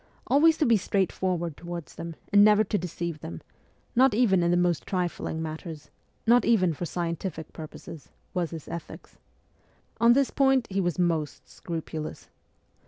Always to be straightforward towards them, and never to deceive them not even in the most trifling matters not even for scientific purposes was his ethics. On this point he was most scrupulous.